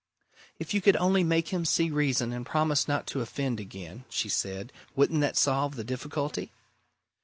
"If you could only make him see reason and promise not to offend again," she said. "Wouldn't that solve the difficulty?"